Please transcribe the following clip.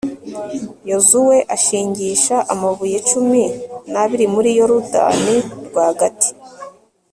yozuwe ashingisha amabuye cumi n'abiri muri yorudani rwagati